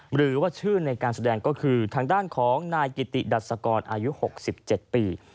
หรือว่าชื่อในการแสดงก็คือทางด้านของนายกิติดัสกรอายุ๖๗ปี